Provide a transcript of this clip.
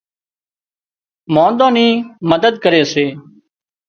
مانۮان نِي مدد ڪري سي